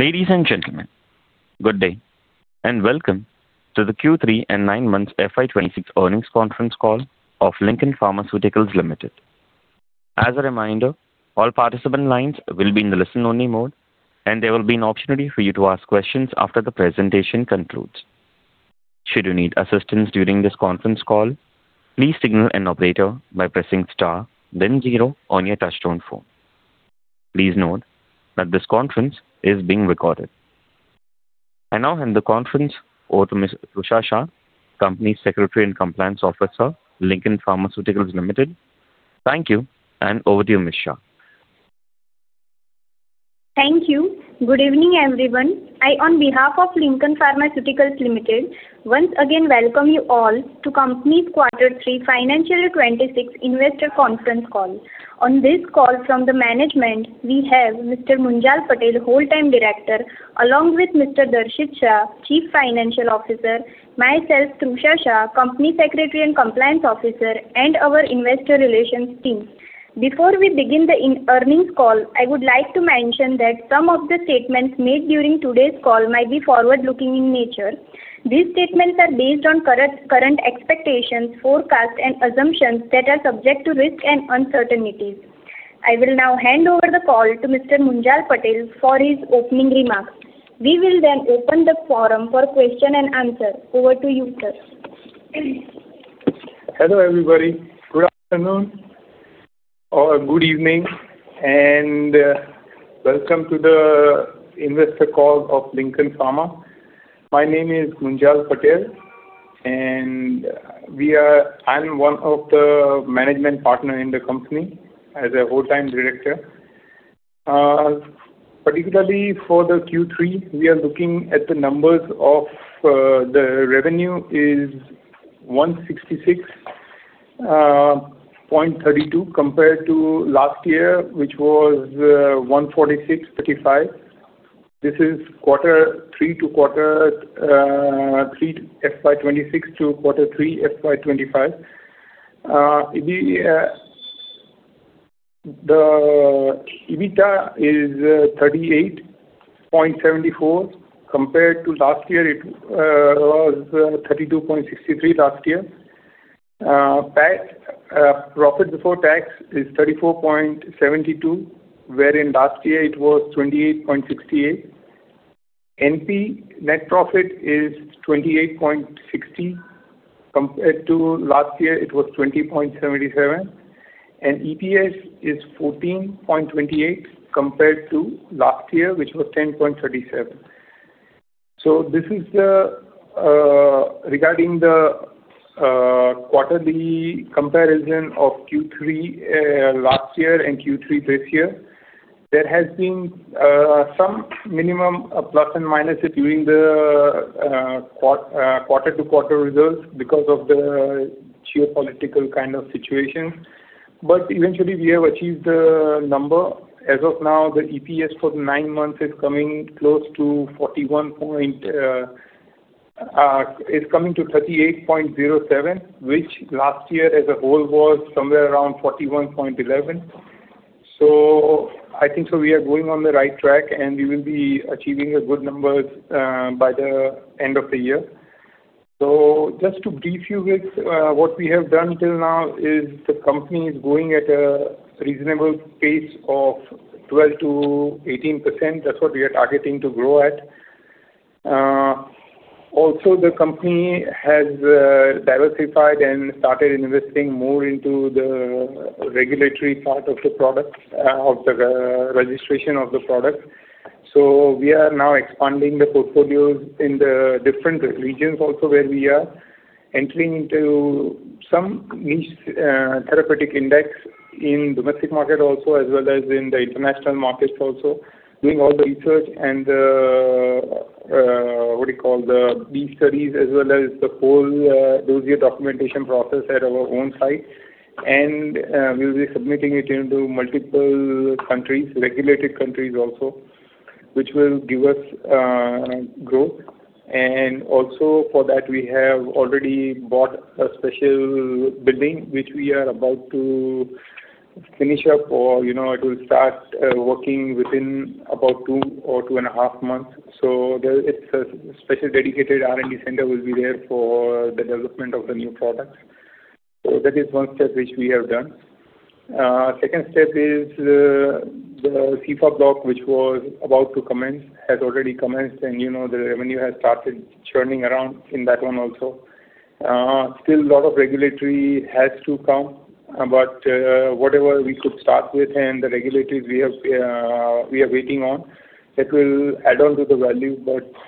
Ladies and gentlemen, good day, and welcome to the Q3 and nine months FY 2026 earnings conference call of Lincoln Pharmaceuticals Limited. As a reminder, all participant lines will be in the listen-only mode, and there will be an opportunity for you to ask questions after the presentation concludes. Should you need assistance during this conference call, please signal an operator by pressing star then zero on your touchtone phone. Please note that this conference is being recorded. I now hand the conference over to Ms. Trusha Shah, Company Secretary and Compliance Officer, Lincoln Pharmaceuticals Limited. Thank you, and over to you, Ms. Shah. Thank you. Good evening, everyone. I, on behalf of Lincoln Pharmaceuticals Limited, once again welcome you all to company's Quarter 3, Financial Year 2026 investor conference call. On this call from the management, we have Mr. Munjal Patel, Whole Time Director, along with Mr. Darshit Shah, Chief Financial Officer, myself, Trusha Shah, Company Secretary and Compliance Officer, and our investor relations team. Before we begin the earnings call, I would like to mention that some of the statements made during today's call might be forward-looking in nature. These statements are based on current, current expectations, forecasts, and assumptions that are subject to risks and uncertainties. I will now hand over the call to Mr. Munjal Patel for his opening remarks. We will then open the forum for question and answer. Over to you, sir. Hello, everybody. Good afternoon or good evening, and welcome to the investor call of Lincoln Pharma. My name is Munjal Patel, and I'm one of the management partner in the company as a Whole Time Director. Particularly for the Q3, we are looking at the numbers of the revenue is 166.32, compared to last year, which was 146.35. This is Quarter three to quarter three FY 2026 to Quarter three, FY 2025. The EBITDA is 38.74, compared to last year, it was 32.63 last year. PAT, profit before tax is 34.72, wherein last year it was 28.68. NP, net profit is 28.60, compared to last year, it was 20.77, and EPS is 14.28 compared to last year, which was 10.37. So this is the, regarding the, quarterly comparison of Q3 last year and Q3 this year. There has been some minimum of plus and minus during the quarter-to-quarter results because of the geopolitical kind of situation, but eventually, we have achieved the number. As of now, the EPS for the nine months is coming close to 41 point, it's coming to 38.07, which last year as a whole was somewhere around 41.11. So I think so we are going on the right track, and we will be achieving the good numbers by the end of the year. So just to brief you with, what we have done till now is the company is going at a reasonable pace of 12%-18%. That's what we are targeting to grow at. Also, the company has diversified and started investing more into the regulatory part of the product, of the, registration of the product. So we are now expanding the portfolio in the different regions also where we are entering into some niche, therapeutic index in domestic market also, as well as in the international markets also. Doing all the research and the, what do you call, the BE studies as well as the whole, dossier documentation process at our own site. And, we'll be submitting it into multiple countries, regulated countries also, which will give us, growth. We have already bought a special building, which we are about to finish up or, you know, it will start working within about two or two in a half months. There, it's a special dedicated R&D center for the development of the new product. That is one step which we have done. The Cepha block, which was about to commence, has already commenced, and you know, the revenue has started churning around in that one also. Still a lot of regulatory has to come, but, you know, whatever we could start with and the regulatives we have, we are waiting on, that will add on to the value.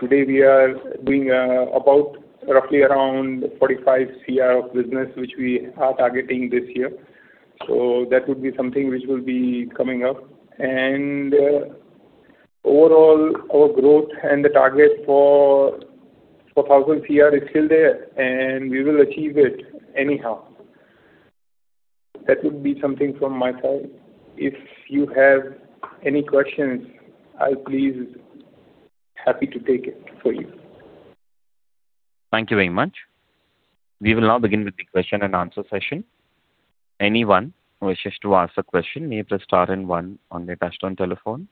Today we are doing about roughly around 45 crore of business, which we are targeting this year. So that would be something which will be coming up. And, overall, our growth and the target for 4,000 crore is still there, and we will achieve it anyhow. That would be something from my side. If you have any questions, I'll be happy to take it for you.... Thank you very much. We will now begin with the question and answer session. Anyone who wishes to ask a question, may press star and one on their touchtone telephone.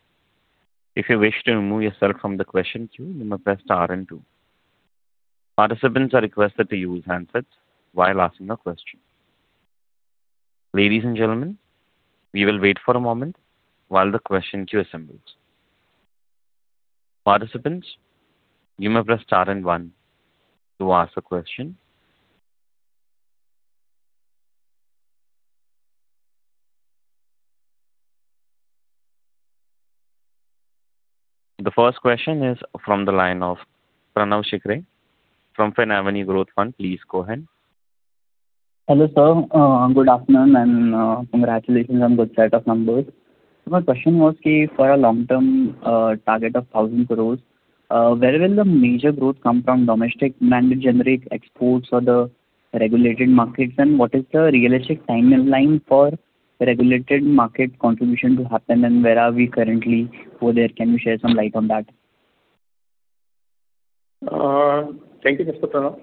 If you wish to remove yourself from the question queue, you may press star and two. Participants are requested to use handsets while asking a question. Ladies and gentlemen, we will wait for a moment while the question queue assembles. Participants, you may press star and one to ask a question. The first question is from the line of Pranav Shikhare from Finavenue Growth Fund. Please go ahead. Hello, sir. Good afternoon, and congratulations on good set of numbers. So my question was, for a long-term target of 1,000 crore, where will the major growth come from, domestic mandate generate exports or the regulated markets? And what is the realistic timeline for regulated market contribution to happen, and where are we currently over there? Can you share some light on that? Thank you, Mr. Pranav.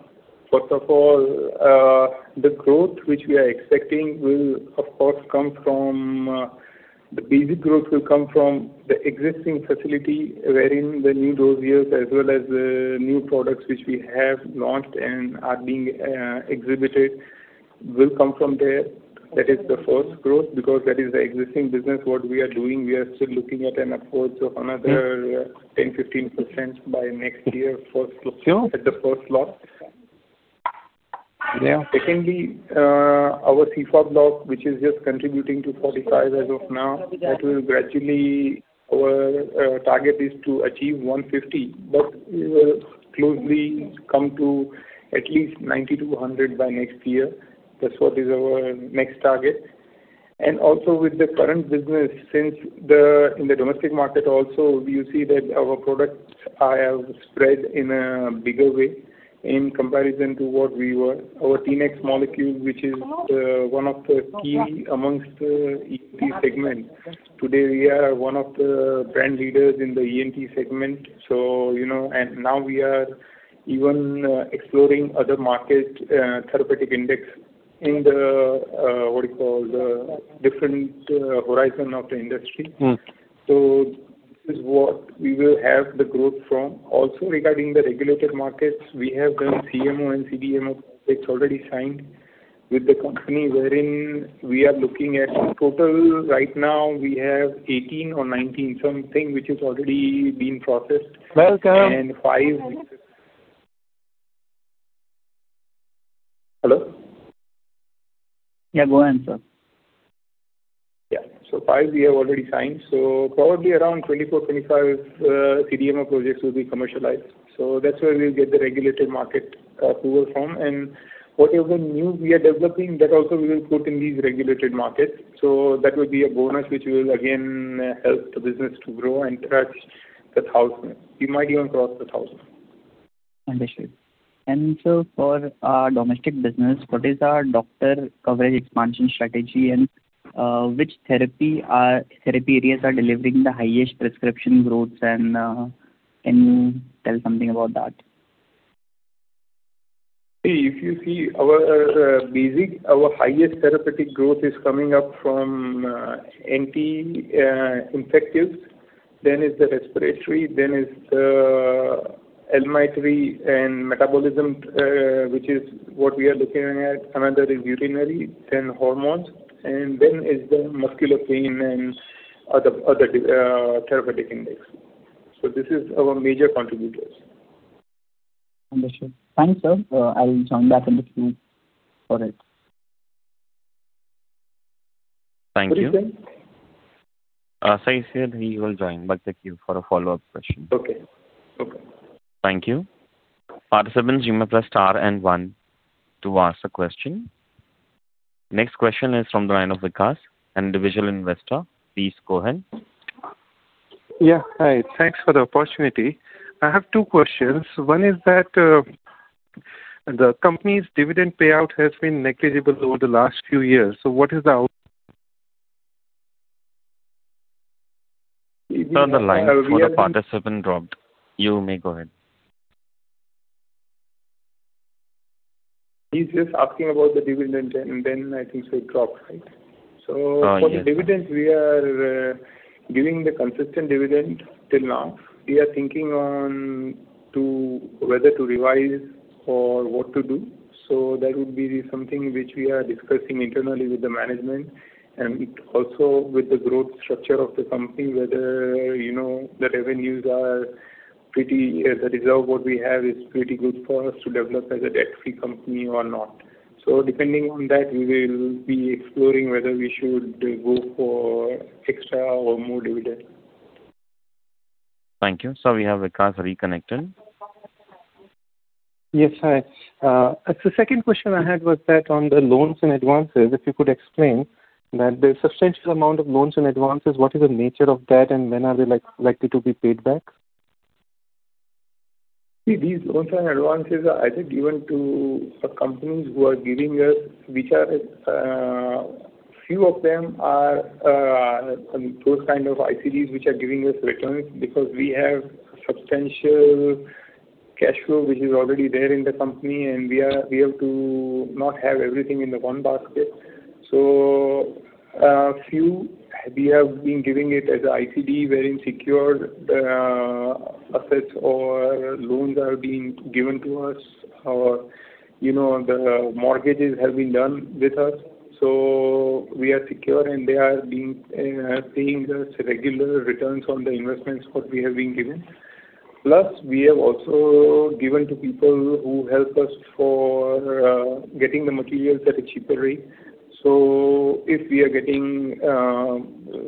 First of all, the growth which we are expecting will, of course, come from the existing facility, wherein the new dossiers as well as the new products which we have launched and are being exhibited, will come from there. That is the first growth, because that is the existing business what we are doing. We are still looking at an upwards of another 10%-15% by next year, fourth- Sure. At the first lot. Yeah. Secondly, our CPH block, which is just contributing to 45 as of now, that will gradually, our target is to achieve 150, but we will closely come to at least 90-100 by next year. That's what is our next target. And also with the current business, since in the domestic market also, we see that our products are spread in a bigger way in comparison to what we were. Our Tinnex molecule, which is one of the key amongst ENT segment. Today, we are one of the brand leaders in the ENT segment. So, you know, and now we are even exploring other market therapeutic index in the what you call, the different horizon of the industry. Mm. This is what we will have the growth from. Also, regarding the regulated markets, we have the CMO and CDMO projects already signed with the company, wherein we are looking at, in total, right now, we have 18 or 19, something which is already being processed. Welcome. Five with... Hello? Yeah, go ahead, sir. Yeah. So five we have already signed, so probably around 24, 25, CDMO projects will be commercialized. So that's where we'll get the regulated market, approval from. And whatever new we are developing, that also we will put in these regulated markets. So that will be a bonus, which will again, help the business to grow and touch the 1,000. We might even cross the 1,000. Understood. And so for our domestic business, what is our doctor coverage expansion strategy, and which therapy areas are delivering the highest prescription growths, and can you tell something about that? If you see our basic, our highest therapeutic growth is coming up from anti-infectives, then is the respiratory, then is the lifestyle and metabolism, which is what we are looking at. Another is urinary, then hormones, and then is the muscular pain and other therapeutic index. So this is our major contributors. Understood. Thank you, sir. I will join back in the queue. All right. Thank you. What he said? He said he will join back the queue for a follow-up question. Okay. Okay. Thank you. Participants, you may press star and one to ask a question. Next question is from the line of Vikas, individual investor. Please go ahead. Yeah, hi. Thanks for the opportunity. I have two questions. One is that, the company's dividend payout has been negligible over the last few years. So what is the out- On the line for the participant dropped. You may go ahead. He's just asking about the dividend, and then I think he dropped, right? Uh, yes. So for the dividend, we are giving the consistent dividend till now. We are thinking on to whether to revise or what to do. So that would be something which we are discussing internally with the management, and it also with the growth structure of the company, whether, you know, the revenues are pretty... As a result, what we have is pretty good for us to develop as a debt-free company or not. So depending on that, we will be exploring whether we should go for extra or more dividend. Thank you. We have Vikas reconnected. Yes, hi. The second question I had was that on the loans and advances, if you could explain that the substantial amount of loans and advances, what is the nature of that, and when are they like, likely to be paid back? See, these loans and advances are either given to some companies who are giving us, which are, Few of them are, those kind of ICDs which are giving us returns, because we have substantial cash flow which is already there in the company, and we are, we have to not have everything in the one basket. So, few, we have been giving it as ICD, wherein secured, assets or loans are being given to us, or, you know, the mortgages have been done with us. So we are secure, and they are being paying us regular returns on the investments what we have been given. Plus, we have also given to people who help us for getting the materials at a cheaper rate. So if we are getting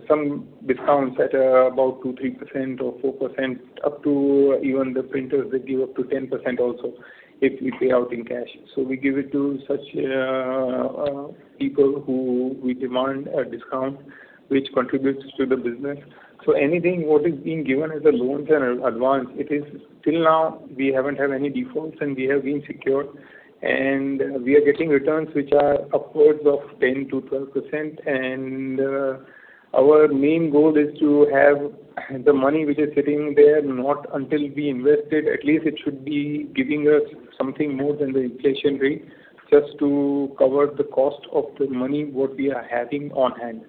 some discounts at about 2%, 3% or 4%, up to even the printers, they give up to 10% also, if we pay out in cash. So we give it to such people who we demand a discount, which contributes to the business. So anything what is being given as loans and advances, it is till now, we haven't had any defaults, and we have been secure, and we are getting returns which are upwards of 10%-12%. And our main goal is to have the money which is sitting there, not until we invest it. At least it should be giving us something more than the inflation rate, just to cover the cost of the money what we are having on hand.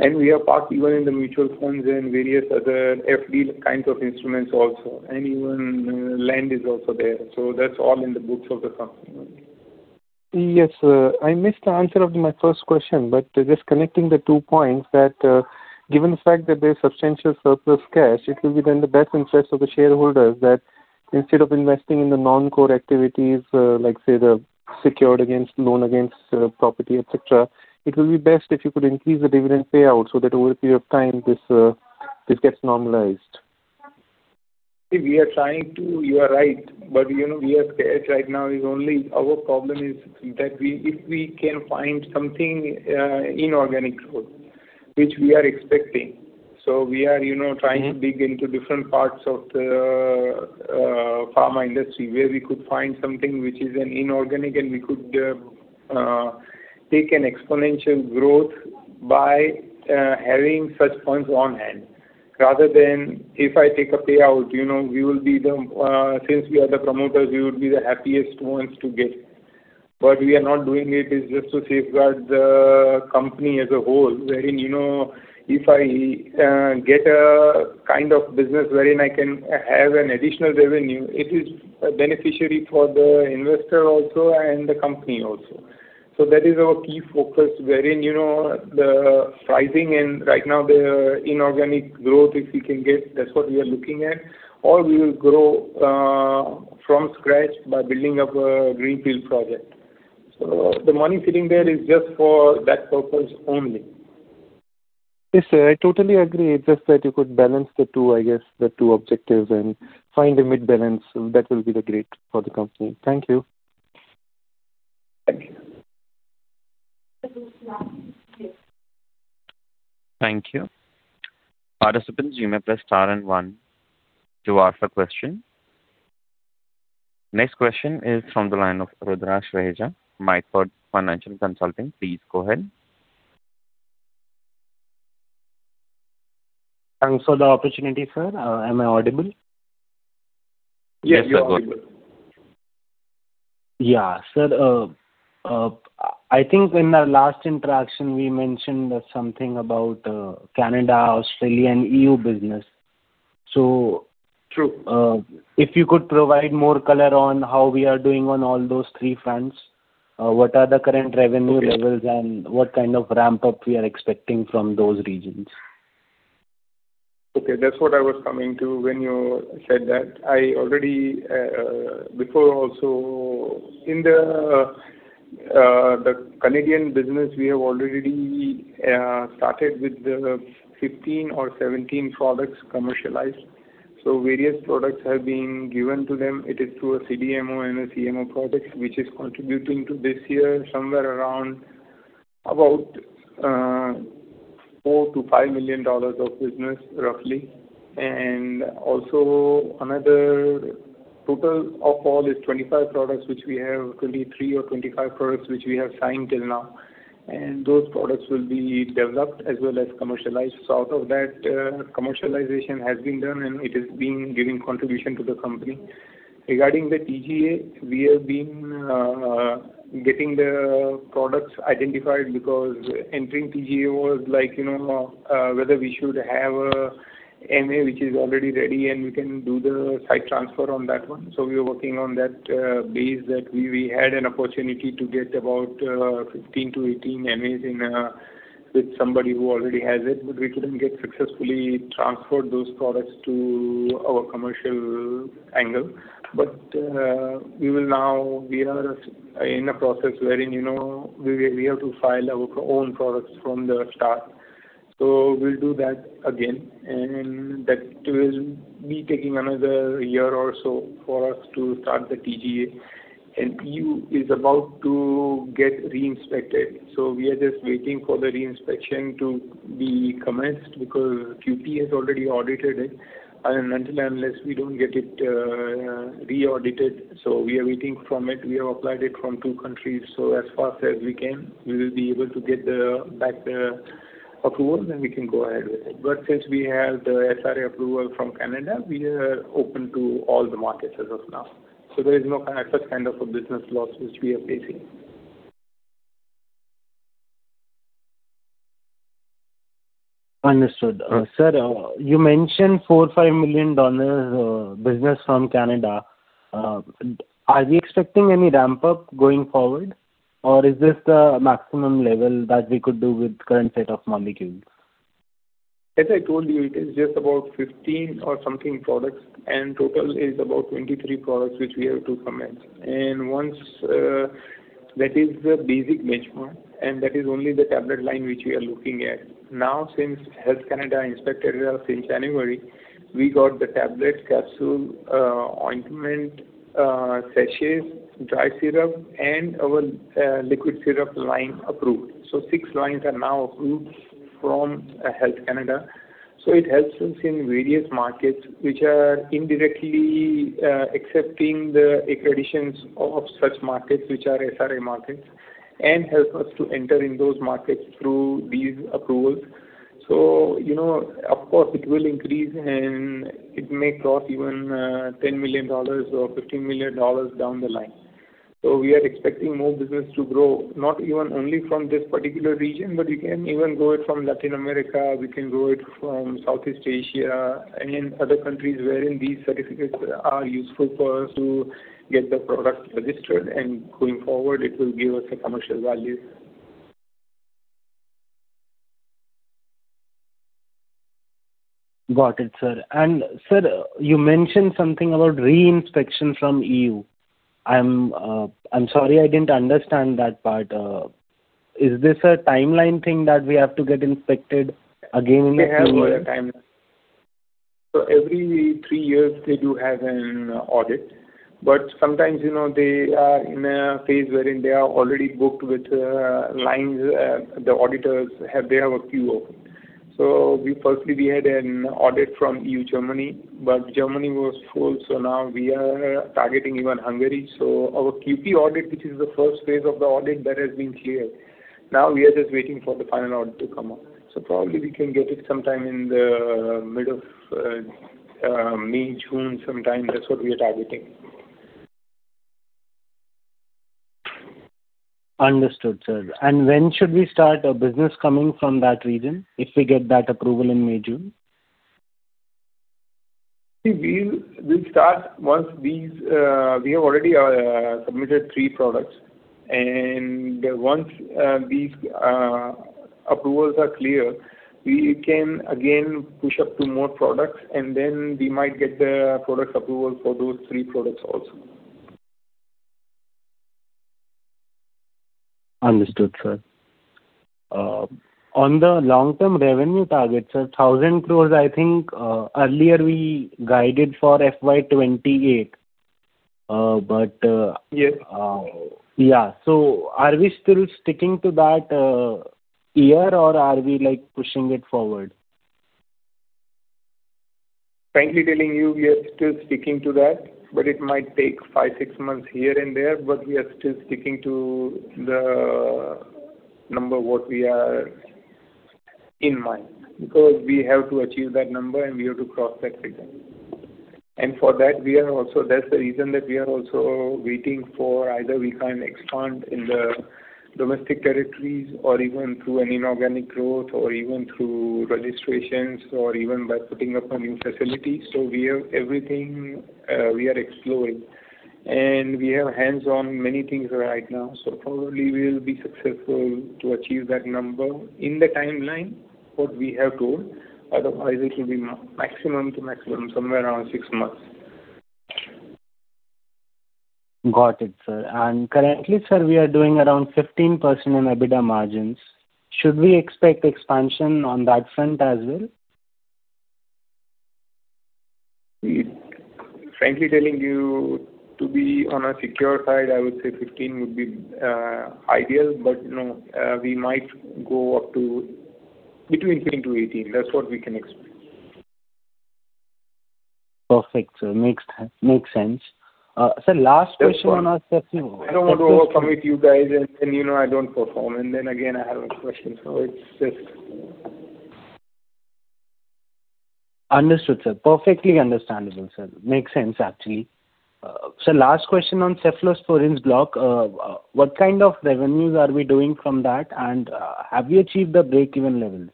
We are parked even in the mutual funds and various other FD kinds of instruments also, and even land is also there. That's all in the books of the company. Yes, I missed the answer of my first question, but just connecting the two points, that, given the fact that there's substantial surplus cash, it will be in the best interest of the shareholders that instead of investing in the non-core activities, like, say, the secured against, loan against, property, et cetera, it will be best if you could increase the dividend payout so that over a period of time, this, it gets normalized. We are trying to, you are right, but you know, we have cash right now is only-- Our problem is that we, if we can find something, inorganic growth, which we are expecting. So we are, you know- Trying to dig into different parts of the, pharma industry, where we could find something which is an inorganic, and we could take an exponential growth by having such funds on hand. Rather than if I take a payout, you know, we will be the, since we are the promoters, we would be the happiest ones to get. But we are not doing it, is just to safeguard the company as a whole, wherein, you know, if I get a kind of business wherein I can have an additional revenue, it is beneficial for the investor also and the company also. So that is our key focus, wherein, you know, the sizing and right now, the inorganic growth, if we can get, that's what we are looking at, or we will grow from scratch by building up a greenfield project. The money sitting there is just for that purpose only. Yes, sir, I totally agree. It's just that you could balance the two, I guess, the two objectives and find a mid-balance. That will be great for the company. Thank you. Thank you. Thank you. Participants, you may press star and one to ask a question. Next question is from the line of Rudra Sweja, Micropal Financial Consulting. Please go ahead. Thanks for the opportunity, sir. Am I audible? Yes, you are audible. Yes, you are audible. Yeah. Sir, I think in our last interaction, we mentioned something about Canada, Australia, and EU business. So- True. If you could provide more color on how we are doing on all those three fronts, what are the current revenue levels? Okay. and what kind of ramp-up we are expecting from those regions? Okay, that's what I was coming to when you said that. I already, Before also, in the, the Canadian business, we have already started with the 15 or 17 products commercialized. So various products have been given to them. It is through a CDMO and a CMO product, which is contributing to this year, somewhere around about $4 million-$5 million of business, roughly. And also another total of all is 25 products, which we have, could be 3 or 25 products, which we have signed till now. And those products will be developed as well as commercialized. So out of that, commercialization has been done, and it is being giving contribution to the company. Regarding the TGA, we have been getting the products identified, because entering TGA was like, you know, whether we should have a MA which is already ready, and we can do the site transfer on that one. We are working on that base that we had an opportunity to get about 15-18 MAs with somebody who already has it, but we couldn't get successfully transferred those products to our commercial angle. We are now in a process wherein, you know, we have to file our own products from the start. We'll do that again, and that will be taking another year or so for us to start the TGA. EU is about to get re-inspected, so we are just waiting for the re-inspection to be commenced, because QP has already audited it. Until and unless we don't get it re-audited, so we are waiting for it. We have applied it from two countries, so as fast as we can, we will be able to get back the approval, then we can go ahead with it. But since we have the SRA approval from Canada, we are open to all the markets as of now. So there is no such kind of a business loss which we are facing. Understood. Sir, you mentioned $4 million-$5 million business from Canada. Are we expecting any ramp up going forward, or is this the maximum level that we could do with current set of molecules? As I told you, it is just about 15 or something products, and total is about 23 products which we have to commence. Once that is the basic benchmark, and that is only the tablet line, which we are looking at. Now, since Health Canada inspected us since January, we got the tablet, capsule, ointment, sachets, dry syrup, and our liquid syrup line approved. Six lines are now approved from Health Canada. It helps us in various markets, which are indirectly accepting the accreditations of such markets, which are SRA markets, and helps us to enter in those markets through these approvals. You know, of course, it will increase, and it may cross even $10 million or $15 million down the line. So we are expecting more business to grow, not even only from this particular region, but we can even grow it from Latin America, we can grow it from Southeast Asia, and in other countries wherein these certificates are useful for us to get the product registered. And going forward, it will give us a commercial value. Got it, sir. Sir, you mentioned something about re-inspection from EU. I'm sorry, I didn't understand that part. Is this a timeline thing that we have to get inspected again in a few years? We have a timeline. So every three years, they do have an audit, but sometimes, you know, they are in a phase wherein they are already booked with lines. The auditors have... They have a queue of. So we firstly, we had an audit from EU, Germany, but Germany was full, so now we are targeting even Hungary. So our QP audit, which is the first phase of the audit, that has been cleared. Now, we are just waiting for the final audit to come up. So probably we can get it sometime in the middle of May, June, sometime. That's what we are targeting. Understood, sir. When should we start a business coming from that region, if we get that approval in May, June? We'll start once these. We have already submitted three products, and once these approvals are clear, we can again push up to more products, and then we might get the product approval for those three products also. Understood, sir. On the long-term revenue target, sir, 1,000 crore, I think, earlier we guided for FY 2028, but, Yes. Yeah. So are we still sticking to that year, or are we, like, pushing it forward? Frankly telling you, we are still sticking to that, but it might take five, six months here and there, but we are still sticking to the number what we are in mind, because we have to achieve that number, and we have to cross that figure. For that, we are also. That's the reason that we are also waiting for either we can expand in the domestic territories or even through an inorganic growth, or even through registrations, or even by putting up a new facility. So we have everything, we are exploring, and we have hands on many things right now. So probably we'll be successful to achieve that number in the timeline, what we have told. Otherwise, it will be maximum to maximum, somewhere around six months. Got it, sir. Currently, sir, we are doing around 15% in EBITDA margins. Should we expect expansion on that front as well? Frankly telling you, to be on a secure side, I would say 15 would be ideal, but you know, we might go up to between 10 to 18. That's what we can expect. Perfect, sir. Makes, makes sense. Sir, last question on- I don't want to overcommit you guys, and you know, I don't perform, and then again, I have a question, so it's just... Understood, sir. Perfectly understandable, sir. Makes sense, actually. Sir, last question on Cephalosporins block. What kind of revenues are we doing from that, and have you achieved the break-even levels?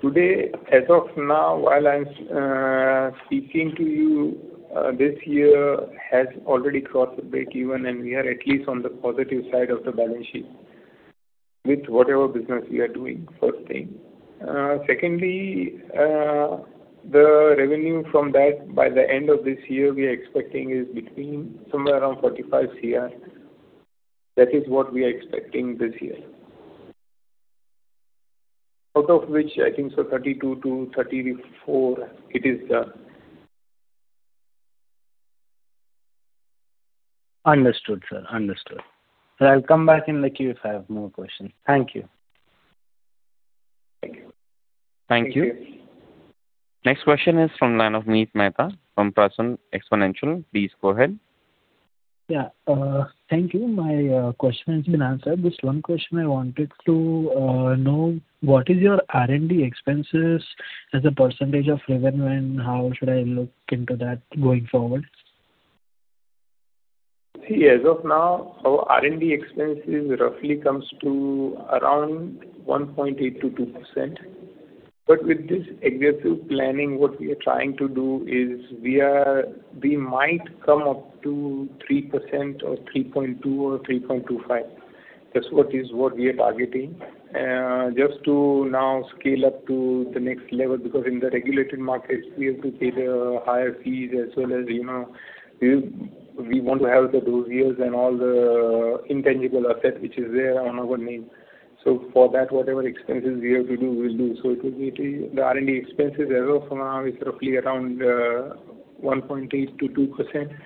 Today, as of now, while I'm speaking to you, this year has already crossed the break even, and we are at least on the positive side of the balance sheet, with whatever business we are doing, first thing. Secondly, the revenue from that by the end of this year, we are expecting is between somewhere around 45 crore. That is what we are expecting this year. Out of which I think so 32 crore-34 crore, it is done. Understood, sir. Understood. I'll come back in the queue if I have more questions. Thank you. Thank you. Thank you. Next question is from line of Meet Mehta from Prasun Exponentials. Please go ahead. Yeah, thank you. My question has been answered. Just one question I wanted to know, what is your R&D expenses as a percentage of revenue, and how should I look into that going forward? See, as of now, our R&D expenses roughly comes to around 1.8%-2%. But with this aggressive planning, what we are trying to do is we are—we might come up to 3% or 3.2% or 3.25%. That's what we are targeting. Just to now scale up to the next level, because in the regulated markets, we have to pay the higher fees as well as, you know, we, we want to have the dossiers and all the intangible asset which is there on our name. So for that, whatever expenses we have to do, we'll do. So it will be the R&D expenses as of now is roughly around 1.8%-2%,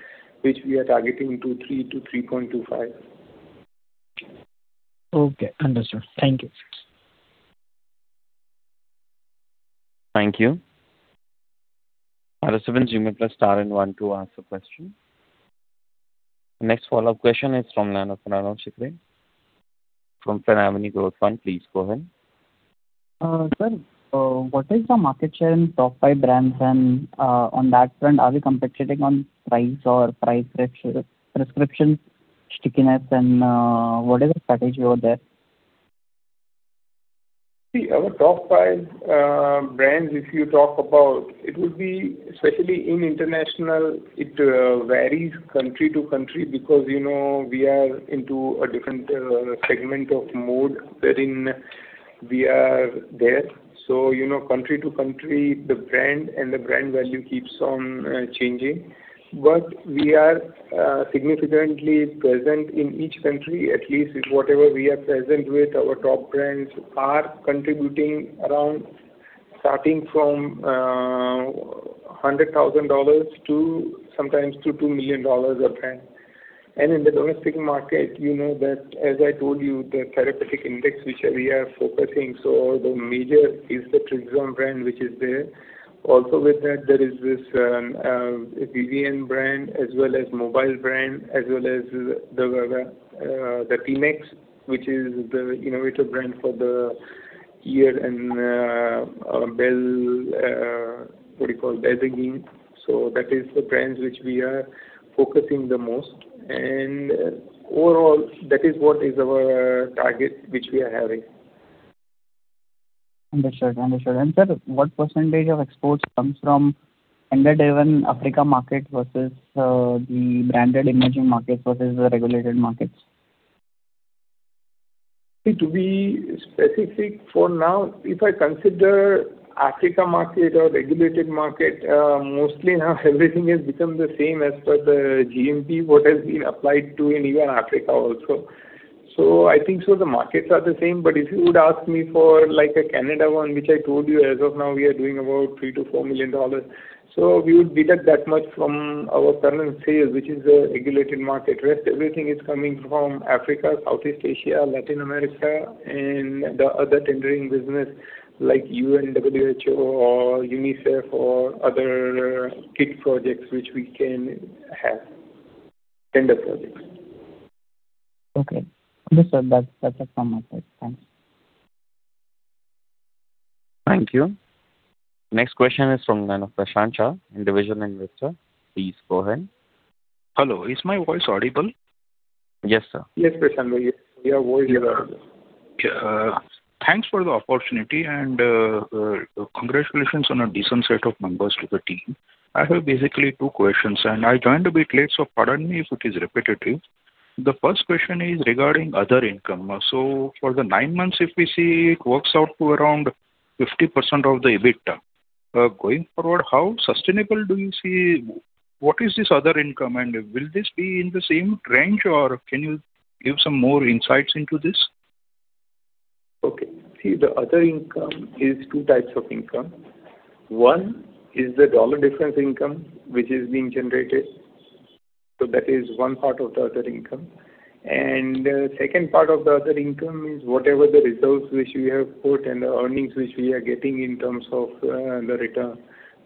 which we are targeting to 3%-3.25%. Okay, understood. Thank you. Thank you. Press star one to ask the question. Next follow-up question is from Pranav Shikhare from Finavenue Growth Fund. Please go ahead. Sir, what is the market share in top five brands? And, on that front, are we competing on price or price prescription, stickiness, and what is the strategy over there? See, our top five brands, if you talk about, it would be especially in international, it varies country to country because, you know, we are into a different segment of mode wherein we are there. So, you know, country to country, the brand and the brand value keeps on changing. But we are significantly present in each country, at least with whatever we are present with, our top brands are contributing around starting from $100,000 to sometimes to $2 million a brand. And in the domestic market, you know that, as I told you, the therapeutic index which we are focusing, so the major is the Trixon brand, which is there. Also with that, there is this Vivan brand, as well as Mobyle brand, as well as the Paarmex, which is the innovative brand for the year, and Bell, what do you call, Belvigin. So that is the brands which we are focusing the most, and overall, that is what is our target, which we are having. Understood. Understood. And, sir, what percentage of exports comes from tender-driven Africa market versus the branded emerging markets versus the regulated markets? See, to be specific for now, if I consider Africa market or regulated market, mostly now everything has become the same as per the GMP, what has been applied to in even Africa also. So I think so the markets are the same, but if you would ask me for like a Canada one, which I told you, as of now, we are doing about $3 million-$4 million. So we would deduct that much from our current sales, which is the regulated market. Rest, everything is coming from Africa, Southeast Asia, Latin America, and the other tendering business like UN, WHO, or UNICEF or other kit projects which we can have, tender projects. Okay. Understood. That's, that's it from my side. Thanks. Thank you. Next question is from line of Prashant Shah, individual investor. Please go ahead. Hello, is my voice audible? Yes, sir. Yes, Prashant, your voice is audible. Thanks for the opportunity and congratulations on a decent set of numbers to the team. I have basically two questions, and I joined a bit late, so pardon me if it is repetitive. The first question is regarding other income. So for the nine months, if we see, it works out to around 50% of the EBIT. Going forward, how sustainable do you see... What is this other income? And will this be in the same range, or can you give some more insights into this? Okay. See, the other income is two types of income. One is the dollar difference income, which is being generated. That is one part of the other income. The second part of the other income is whatever the results which we have put and the earnings which we are getting in terms of the return.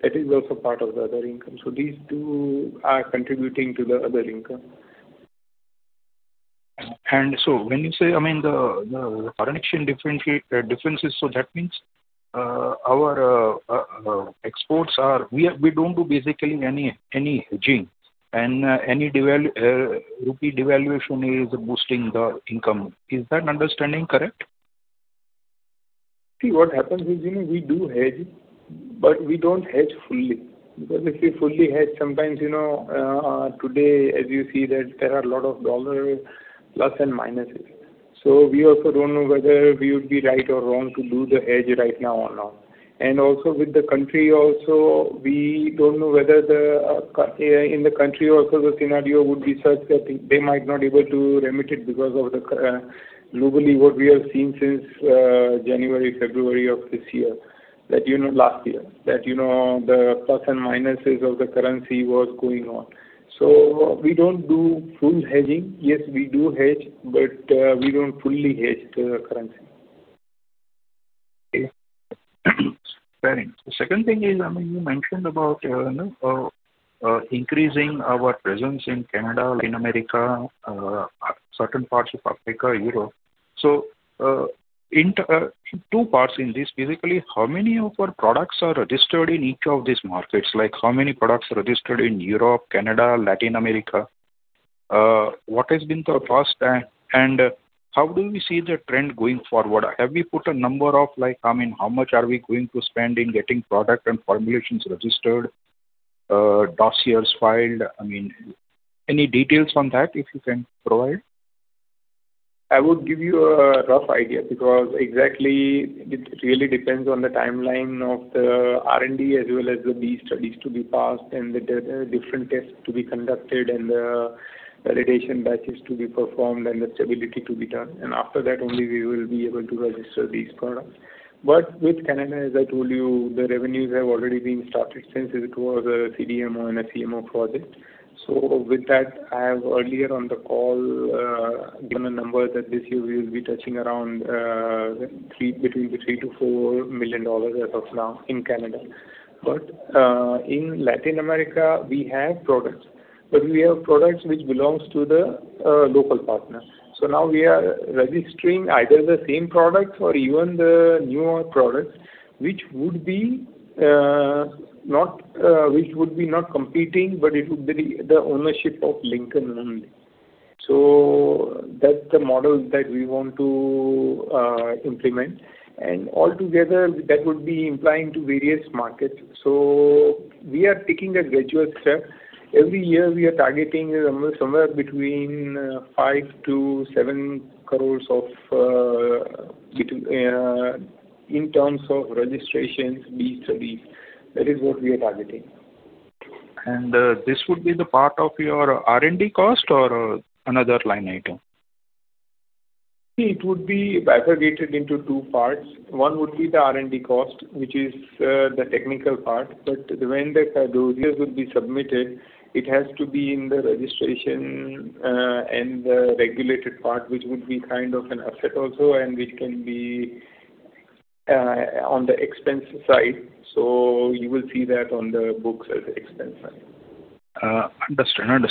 That is also part of the other income. These two are contributing to the other income. And so when you say, I mean, the foreign exchange differences, so that means our exports are... We don't do basically any hedging, and any rupee devaluation is boosting the income. Is that understanding correct? See, what happens is, you know, we do hedge, but we don't hedge fully. Because if we fully hedge, sometimes, you know, today, as you see that there are a lot of dollar plus and minuses. So we also don't know whether we would be right or wrong to do the hedge right now or not. And also, with the country also, we don't know whether the, in the country also, the scenario would be such that they might not be able to remit it because of the, globally, what we have seen since, January, February of this year.... that, you know, last year, that, you know, the plus and minuses of the currency was going on. So we don't do full hedging. Yes, we do hedge, but, we don't fully hedge the currency. Okay? Fair enough. The second thing is, I mean, you mentioned about, you know, increasing our presence in Canada, Latin America, certain parts of Africa, Europe. So, in two parts in this, physically, how many of our products are registered in each of these markets? Like, how many products are registered in Europe, Canada, Latin America? What has been the cost, and how do we see the trend going forward? Have we put a number of like, I mean, how much are we going to spend in getting product and formulations registered, dossiers filed? I mean, any details on that, if you can provide. I would give you a rough idea, because exactly, it really depends on the timeline of the R&D as well as the B studies to be passed, and the different tests to be conducted, and the validation batches to be performed, and the stability to be done. After that, only we will be able to register these products. With Canada, as I told you, the revenues have already been started since it was a CDMO and a CMO project. I have earlier on the call given a number that this year we will be touching around $3 million-$4 million as of now in Canada. In Latin America, we have products, but we have products which belongs to the local partner. So now we are registering either the same products or even the newer products, which would be not competing, but it would be the ownership of Lincoln only. So that's the model that we want to implement. And altogether, that would be implying to various markets. So we are taking a gradual step. Every year, we are targeting somewhere between 5 crores-INR7 crores of registrations, BE studies. That is what we are targeting. This would be the part of your R&D cost or another line item? It would be aggregated into two parts. One would be the R&D cost, which is, the technical part, but when the dossiers would be submitted, it has to be in the registration, and the regulated part, which would be kind of an asset also, and which can be, on the expense side. So you will see that on the books as expense side. Understand.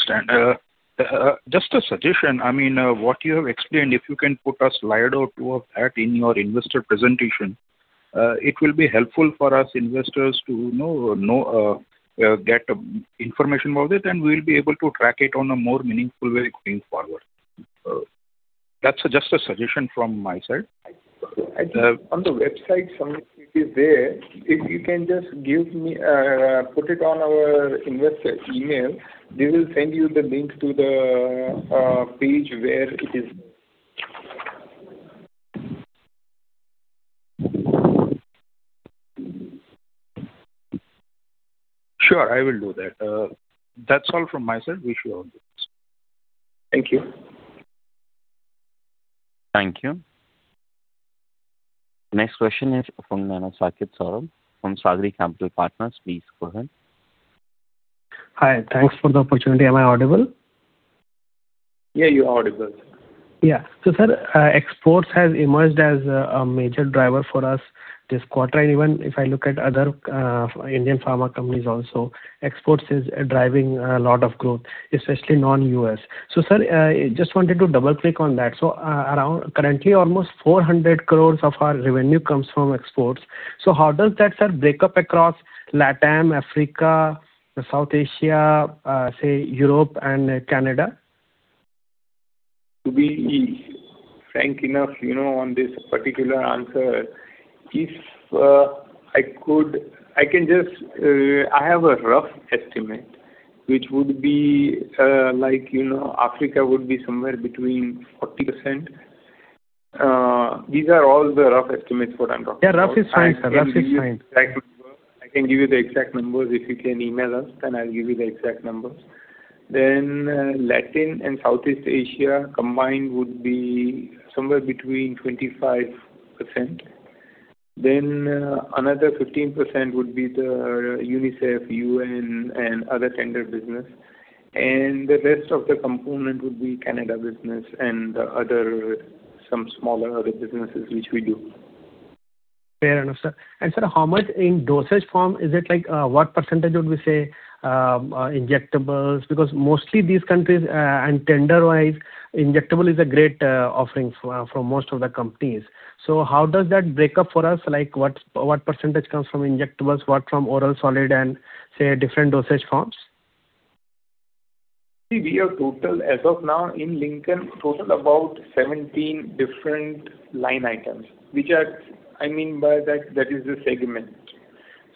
Just a suggestion, I mean, what you have explained, if you can put a slide or two of that in your investor presentation, it will be helpful for us investors to know, get information about it, and we will be able to track it on a more meaningful way going forward. That's just a suggestion from my side. I think on the website, some it is there. If you can just give me, put it on our investor email, we will send you the link to the, page where it is. Sure, I will do that. That's all from my side. Wish you all the best. Thank you. Thank you. Next question is from Saket Saurabh from Sadari Capital Partners. Please go ahead. Hi. Thanks for the opportunity. Am I audible? Yeah, you're audible. Yeah. So, sir, exports has emerged as a, a major driver for us this quarter, and even if I look at other, Indian pharma companies also, exports is driving a lot of growth, especially non-US. So, sir, just wanted to double-click on that. So, around... Currently, almost 400 crore of our revenue comes from exports. So how does that, sir, break up across LATAM, Africa, South Asia, say, Europe and Canada? To be frank enough, you know, on this particular answer, I have a rough estimate, which would be, like, you know, Africa would be somewhere between 40%. These are all the rough estimates what I'm talking about. Yeah, rough is fine, sir. Rough is fine. I can give you the exact numbers. I can give you the exact numbers. If you can email us, then I'll give you the exact numbers. Then, Latin and Southeast Asia combined would be somewhere between 25%. Then, another 15% would be the UNICEF, UN, and other tender business. And the rest of the component would be Canada business and the other, some smaller other businesses which we do. Fair enough, sir. And sir, how much in dosage form? Is it like, what percentage would we say, injectables? Because mostly these countries, and tender-wise, injectable is a great, offering for, for most of the companies. So how does that break up for us? Like, what, what percentage comes from injectables, what from oral, solid, and, say, different dosage forms? We have total, as of now, in Lincoln, total about 17 different line items, which are... I mean by that, that is the segment.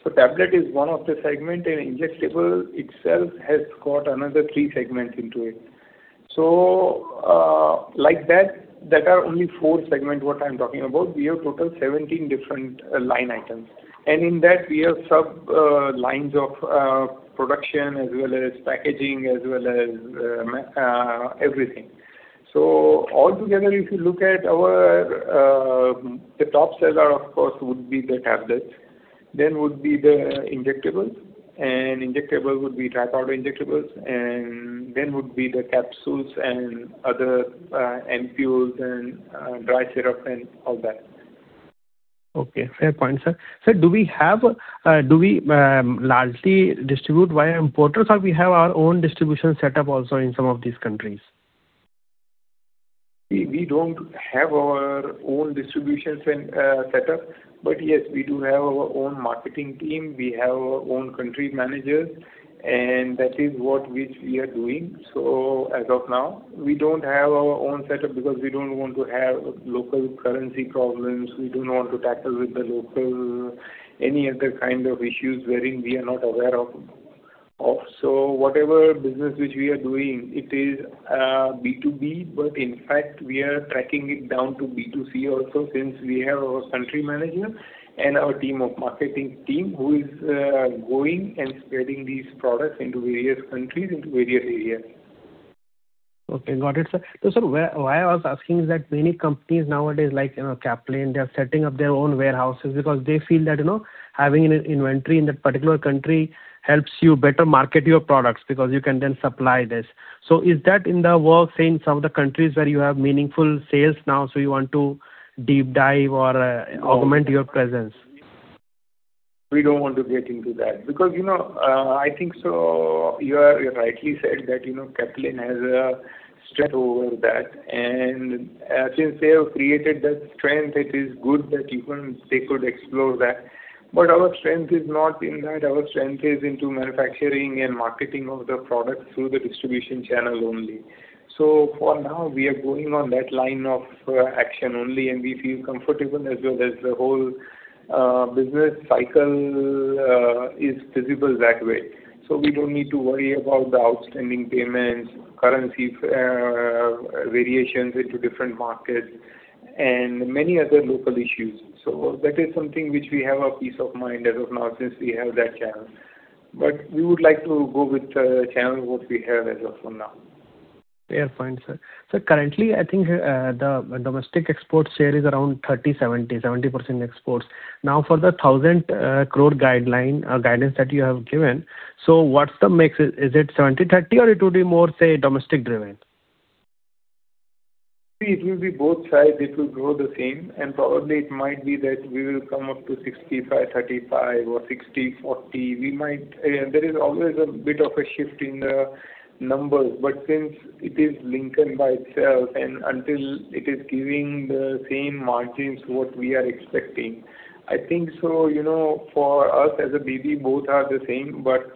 Tablet is one of the segment, and injectable itself has got another three segments into it. Like that, that are only four segment what I'm talking about. We have total 17 different line items. In that, we have sub, lines of, production, as well as packaging, as well as, me- everything. Altogether, if you look at our, the top seller, of course, would be the tablets, then would be the injectables, and injectable would be dry powder injectables, and then would be the capsules and other, ampoules and, dry syrup and all that. Okay, fair point, sir. Sir, do we have, do we, largely distribute via importers, or we have our own distribution setup also in some of these countries? We don't have our own distributions and setup, but yes, we do have our own marketing team, we have our own country managers, and that is what which we are doing. So as of now, we don't have our own setup because we don't want to have local currency problems. We don't want to tackle with the local, any other kind of issues wherein we are not aware of. So whatever business which we are doing, it is B2B, but in fact, we are tracking it down to B2C also, since we have our country manager and our team of marketing team, who is going and spreading these products into various countries, into various areas. Okay, got it, sir. So sir, why, why I was asking is that many companies nowadays, like, you know, Caplin, they are setting up their own warehouses because they feel that, you know, having an inventory in that particular country helps you better market your products, because you can then supply this. So is that in the works in some of the countries where you have meaningful sales now, so you want to deep dive or augment your presence? We don't want to get into that because, you know, I think so you are rightly said that, you know, Caplin has a strength over that, and since they have created that strength, it is good that even they could explore that. But our strength is not in that. Our strength is into manufacturing and marketing of the product through the distribution channel only. So for now, we are going on that line of action only, and we feel comfortable as well as the whole business cycle is visible that way. So we don't need to worry about the outstanding payments, currency variations into different markets and many other local issues. So that is something which we have a peace of mind as of now, since we have that channel. But we would like to go with the channel what we have as of for now. Fair point, sir. So currently, I think, the domestic export share is around 30-70, 70% exports. Now, for the 1,000 crore guidance that you have given, so what's the mix? Is it 70-30, or it would be more, say, domestic driven? It will be both sides. It will grow the same, and probably it might be that we will come up to 65/35 or 60/40. We might... There is always a bit of a shift in the numbers, but since it is linked by itself, and until it is giving the same margins what we are expecting, I think so, you know, for us, as a baby, both are the same. But,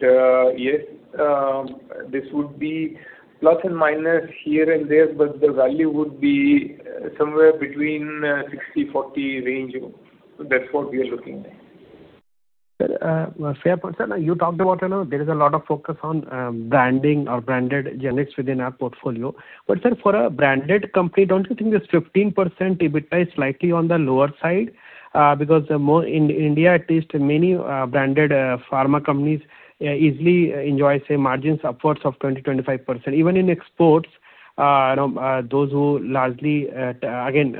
yes, this would be plus and minus here and there, but the value would be somewhere between, 60/40 range. So that's what we are looking at. Sir, fair point, sir. You talked about, you know, there is a lot of focus on branding or branded generics within our portfolio. But sir, for a branded company, don't you think this 15% EBITDA is slightly on the lower side? Because in India, at least many branded pharma companies easily enjoy, say, margins upwards of 20-25%. Even in exports, you know, those who largely, again,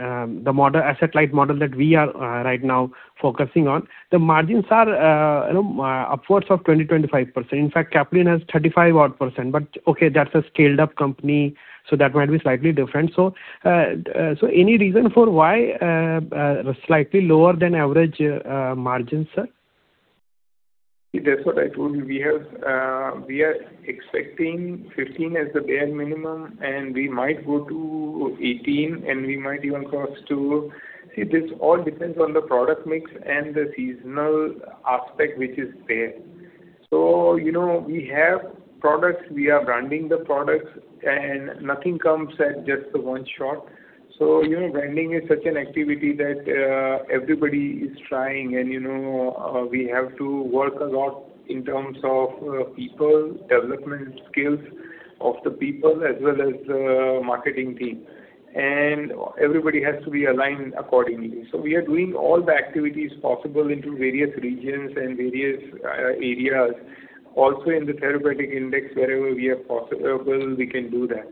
the asset-light model that we are right now focusing on, the margins are, you know, upwards of 20-25%. In fact, Caplin has 35-odd%, but okay, that's a scaled-up company, so that might be slightly different. So, any reason for why slightly lower than average margin, sir, sir? That's what I told you. We have, we are expecting 15 as the bare minimum, and we might go to 18, and we might even cross to. See, this all depends on the product mix and the seasonal aspect, which is there. So, you know, we have products, we are branding the products, and nothing comes at just the one shot. So, you know, branding is such an activity that, everybody is trying, and you know, we have to work a lot in terms of, people, development skills of the people, as well as the marketing team. And everybody has to be aligned accordingly. So we are doing all the activities possible into various regions and various, areas. Also, in the therapeutic index, wherever we are possible, we can do that.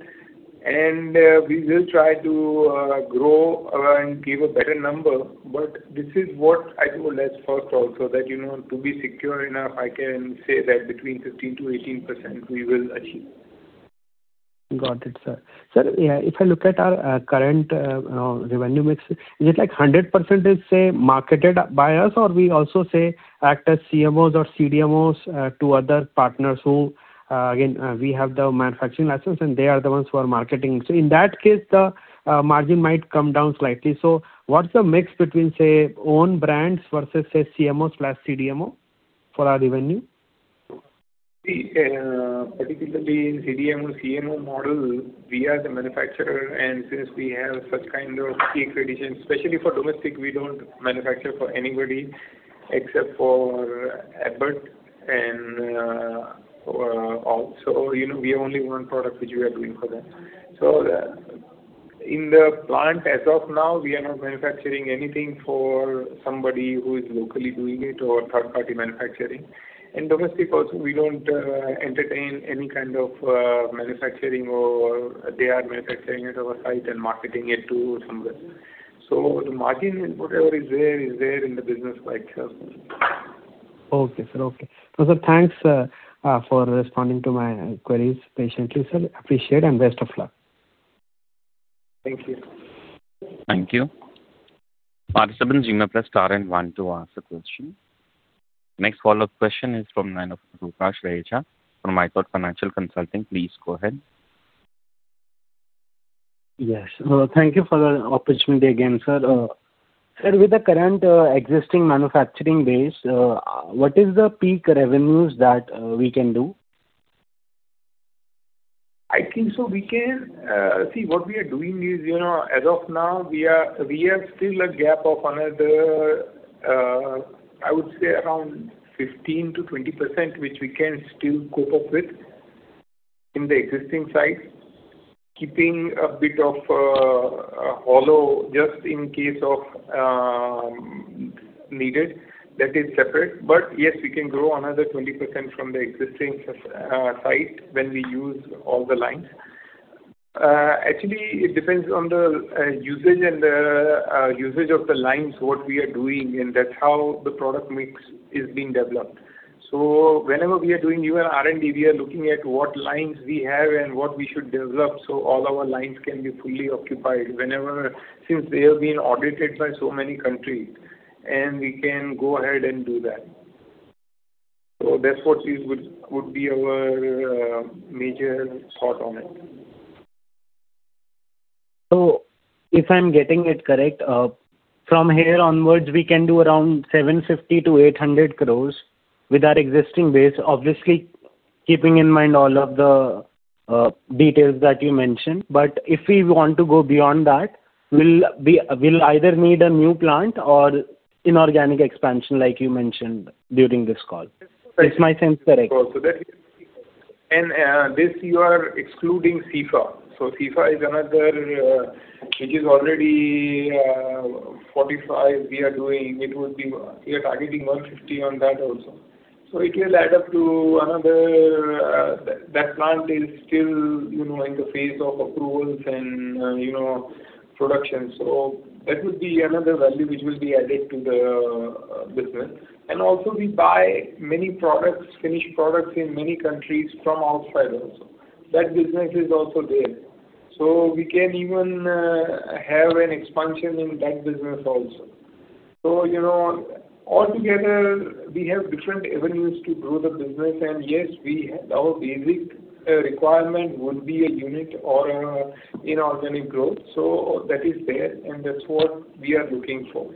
We will try to grow and give a better number, but this is what I told as first also, that, you know, to be secure enough, I can say that between 15%-18%, we will achieve. Got it, sir. Sir, yeah, if I look at our current revenue mix, is it like 100% is, say, marketed by us, or we also say, act as CMOs or CDMOs to other partners who, again, we have the manufacturing license and they are the ones who are marketing. So in that case, the margin might come down slightly. So what's the mix between, say, own brands versus, say, CMOs/CDMO for our revenue? Particularly in CDMO, CMO model, we are the manufacturer, and since we have such kind of key accreditation, especially for domestic, we don't manufacture for anybody except for Abbott and, or also... You know, we have only one product which we are doing for them. So, in the plant, as of now, we are not manufacturing anything for somebody who is locally doing it or third-party manufacturing. In domestic also, we don't entertain any kind of manufacturing or they are manufacturing at our site and marketing it to somewhere. So the margin and whatever is there, is there in the business by itself. Okay, sir. Okay. So sir, thanks for responding to my inquiries patiently, sir. Appreciate and best of luck. Thank you. Thank you. Participants, you may press star and one to ask the question. Next follow-up question is from line of Rudra Sweja from Micropal Financial Consulting. Please go ahead. Yes. Thank you for the opportunity again, sir. Sir, with the current, existing manufacturing base, what is the peak revenues that we can do? I think so we can. See, what we are doing is, you know, as of now, we are, we have still a gap of another, I would say around 15%-20%, which we can still cope up with in the existing site, keeping a bit of hollow just in case of needed. That is separate. But yes, we can grow another 20% from the existing site when we use all the lines. Actually, it depends on the usage and the usage of the lines, what we are doing, and that's how the product mix is being developed. Whenever we are doing new R&D, we are looking at what lines we have and what we should develop, so all our lines can be fully occupied whenever, since they have been audited by so many countries, and we can go ahead and do that. That's what is, would, would be our major thought on it. So if I'm getting it correct, from here onwards, we can do around 750-800 crores with our existing base, obviously, keeping in mind all of the details that you mentioned. But if we want to go beyond that, we'll either need a new plant or inorganic expansion, like you mentioned during this call. Is my sense correct? So, you are excluding Cepha. So Cepha is another which is already 45. We are doing, it would be, we are targeting 150 on that also. So it will add up to another, that plant is still, you know, in the phase of approvals and, you know, production. So that would be another value which will be added to the business. And also, we buy many products, finished products in many countries from outside also. That business is also there. So we can even have an expansion in that business also. So, you know, altogether, we have different avenues to grow the business. And yes, we, our basic requirement would be a unit or an inorganic growth. So that is there, and that's what we are looking for.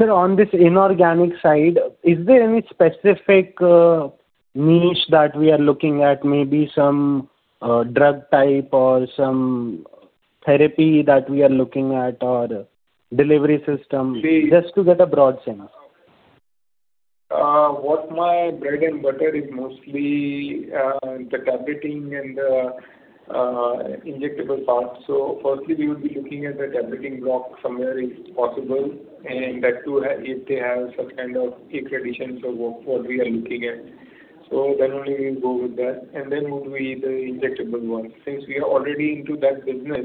Sir, on this inorganic side, is there any specific niche that we are looking at? Maybe some drug type or some therapy that we are looking at, or delivery system? Just to get a broad sense. What my bread and butter is mostly, the tableting and the, injectable part. So firstly, we would be looking at the tableting block somewhere, if possible, and that too, if they have some kind of accreditation for what we are looking at. So then only we go with that, and then would be the injectable one. Since we are already into that business,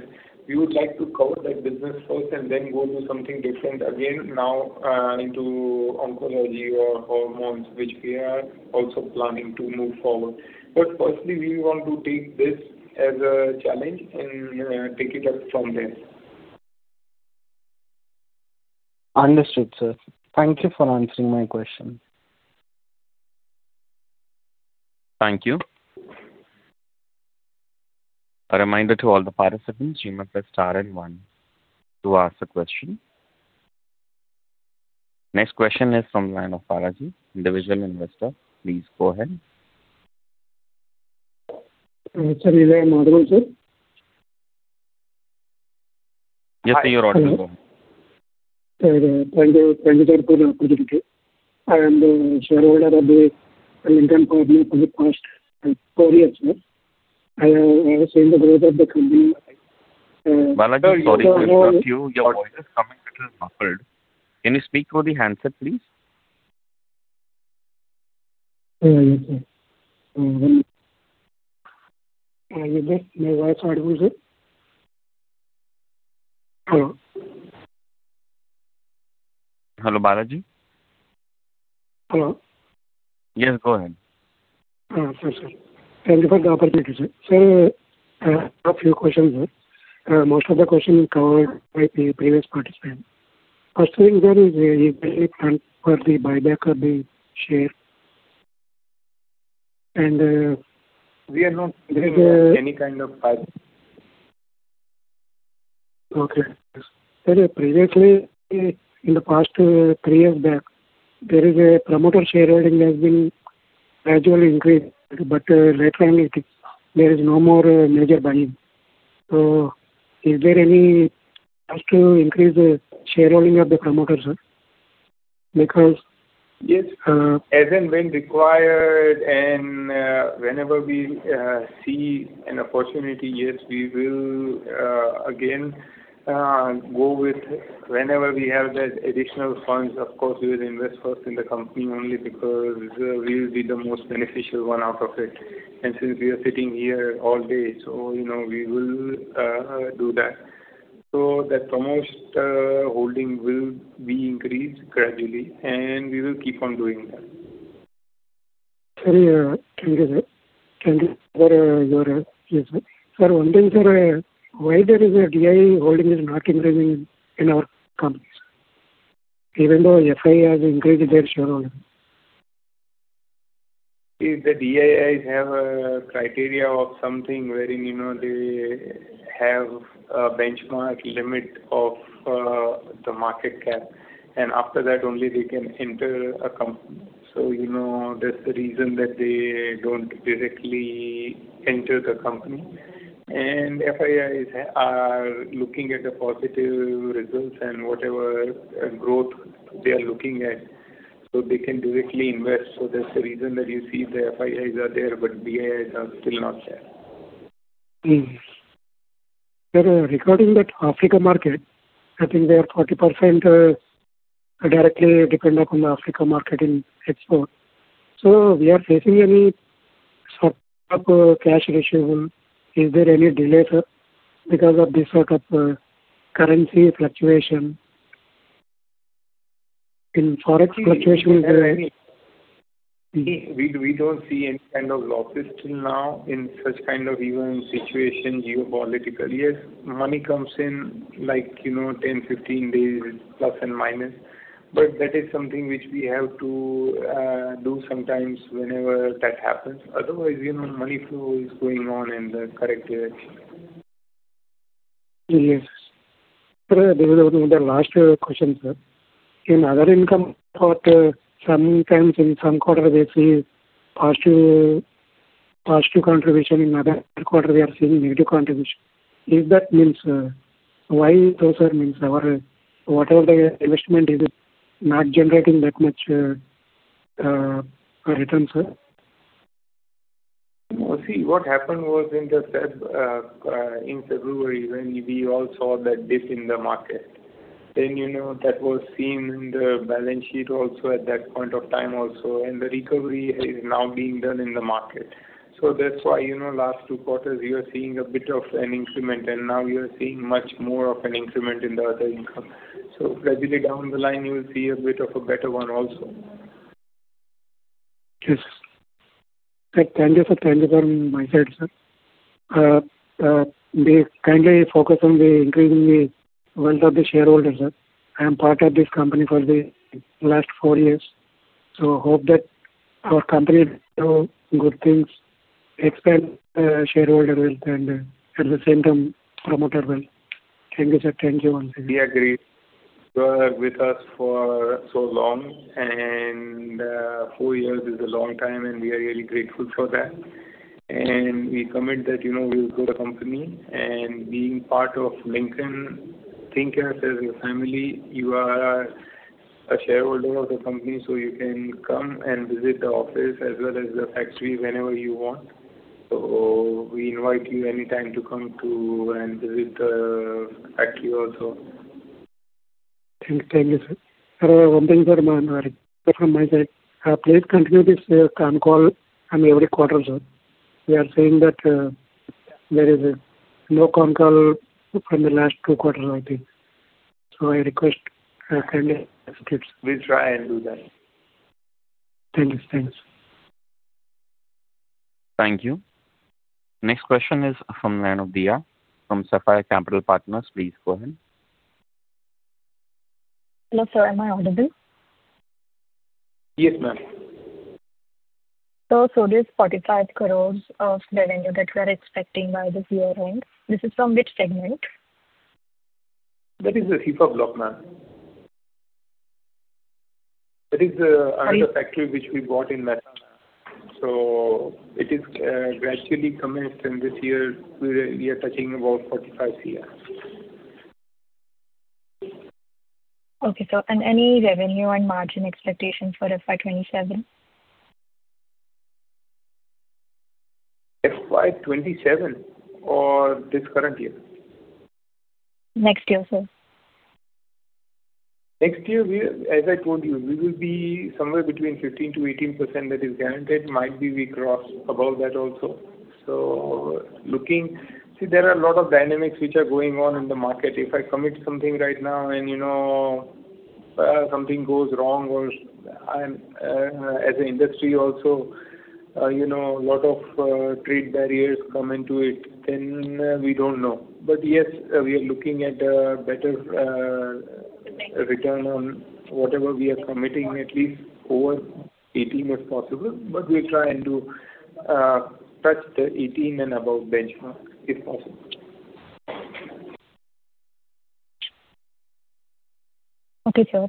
we would like to cover that business first and then go to something different again now, into oncology or hormones, which we are also planning to move forward. But firstly, we want to take this as a challenge and, take it up from there. Understood, sir. Thank you for answering my question. Thank you. A reminder to all the participants, you may press star and one to ask the question. Next question is from line of Balaji, individual investor. Please go ahead. Sir, this is Balaji, sir. Just hear your audio. Sir, thank you, thank you for the opportunity. Shareholder of the Lincoln Company for the past four years, sir. I have seen the growth of the company. Balaji, sorry to interrupt you. Your voice is coming a little muffled. Can you speak through the handset, please? Yeah, sure. Hello, my voice heard, sir? Hello. Hello, Balaji? Hello. Yes, go ahead. Sure, sir. Thank you for the opportunity, sir. Sir, a few questions, sir. Most of the questions were covered by the previous participant. Firstly, there is a very plan for the buyback of the share, and- We are not doing any kind of buy. Okay. Sir, previously, in the past, three years back, there is a promoter shareholding has been gradually increased, but, lately there is no more, major buying. So is there any plans to increase the shareholding of the promoters? Because, yes, as and when required and, whenever we see an opportunity, yes, we will again go with. Whenever we have that additional funds, of course, we will invest first in the company only because we will be the most beneficial one out of it. And since we are sitting here all day, you know, we will do that. That promoter holding will be increased gradually, and we will keep on doing that. Sorry, thank you, sir. Thank you for your answer. Sir, one thing, sir, why there is a DII holding is not increasing in our company, sir? Even though Cepha has increased their shareholding. If the DIIs have a criteria of something where, you know, they have a benchmark limit of the market cap, and after that only they can enter a company. So, you know, that's the reason that they don't directly enter the company. And Cephas are looking at the positive results and whatever growth they are looking at, so they can directly invest. So that's the reason that you see the Cephas are there, but DIIs are still not there. Sir, regarding that Africa market, I think they are 40%, directly dependent on the Africa market in export. So we are facing any sort of cash ratio, is there any delay, sir, because of this sort of currency fluctuation? In Forex fluctuation, is there any- We don't see any kind of losses till now in such kind of even situation, geopolitical. Yes, money comes in, like, you know, 10, 15 days, plus and minus, but that is something which we have to do sometimes whenever that happens. Otherwise, you know, money flow is going on in the correct direction. Yes. Sir, there is one other last question, sir. In other income part, sometimes in some quarter, we see positive, positive contribution, in other quarter, we are seeing negative contribution. If that means, why so, sir? Means our whatever the investment is, is not generating that much, return, sir? No, see, what happened was in February, when we all saw that dip in the market, then, you know, that was seen in the balance sheet also at that point of time also, and the recovery is now being done in the market. So that's why, you know, last two quarters, we are seeing a bit of an increment, and now we are seeing much more of an increment in the other income. So gradually down the line, you will see a bit of a better one also. Yes. Thank you, sir. Thank you from my side, sir. Kindly focus on the increasing the wealth of the shareholders, sir. I am part of this company for the last four years, so hope that our company do good things, expand, shareholder wealth, and, at the same time, promoter wealth. Thank you, sir. Thank you once again. We agree. You are with us for so long, and four years is a long time, and we are really grateful for that. And we commit that, you know, we will grow the company, and being part of Lincoln, think of us as your family. You are a shareholder of the company, so you can come and visit the office as well as the factory whenever you want. So we invite you anytime to come to and visit the factory also. Thank you. Thank you, sir. Sir, one thing, sir, from my side. Please continue this con call on every quarter, sir. We are saying that there is no con call from the last two quarters, I think. So I request kindly- We'll try and do that. Thank you. Thanks. Thank you. Next question is from Manav Madia from Sapphire Capital Partners. Please go ahead. Hello, sir. Am I audible? Yes, ma'am. So, this 45 crore of the revenue that we are expecting by this year end, this is from which segment? That is the Cepha block, ma'am. That is, another factory which we bought in Mehsana. So it is, gradually commenced, and this year we are touching about 45 PA. Okay, sir, and any revenue and margin expectation for FY 2027? FY 2027 or this current year? Next year, sir. Next year, we... As I told you, we will be somewhere between 15%-18%, that is guaranteed. Might be we cross above that also. Looking, there are a lot of dynamics which are going on in the market. If I commit something right now and, you know, something goes wrong or, as an industry also, you know, a lot of trade barriers come into it, then we don't know. Yes, we are looking at a better return on whatever we are committing, at least over 18%, if possible. We are trying to touch the 18% and above benchmark, if possible. Okay, sir.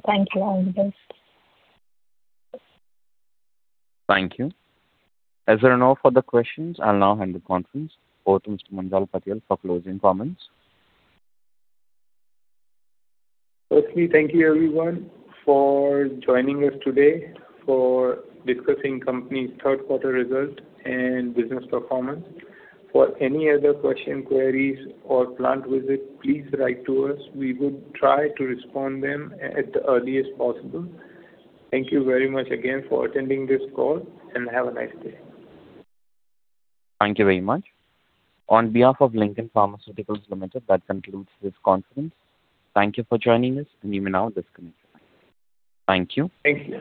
Thank you. All the best. Thank you. As there are no further questions, I'll now hand the conference over to Mr. Munjal Patel for closing comments. Firstly, thank you everyone for joining us today, for discussing company's third quarter result and business performance. For any other question, queries, or plant visit, please write to us. We would try to respond them at the earliest possible. Thank you very much again for attending this call, and have a nice day. Thank you very much. On behalf of Lincoln Pharmaceuticals Limited, that concludes this conference. Thank you for joining us, and you may now disconnect. Thank you. Thank you.